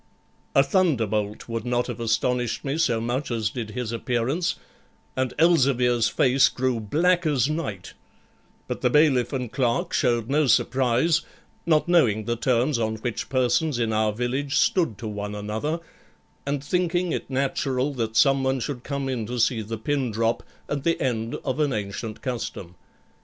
A thunderbolt would not have astonished me so much as did his appearance, and Elzevir's face grew black as night; but the bailiff and clerk showed no surprise, not knowing the terms on which persons in our village stood to one another, and thinking it natural that someone should come in to see the pin drop, and the end of an ancient custom.